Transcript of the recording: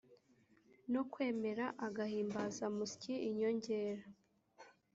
no kwemera agahimbazamusyi inyongera